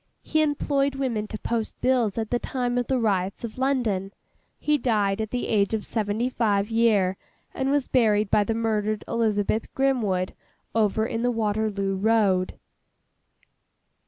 He employed women to post bills at the time of the riots of London. He died at the age of seventy five year, and was buried by the murdered Eliza Grimwood, over in the Waterloo Road.